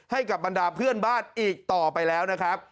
ให้กับบรรดาเพื่อนบ้านอีกต่อไปแล้วนะครับ